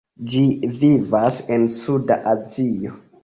Ĝi vivas en Suda Azio.